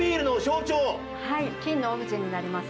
金のオブジェになります。